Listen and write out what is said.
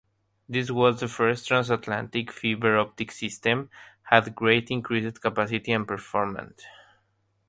This was the first Transatlantic fiber-optic system, had greatly increased capacity and performance.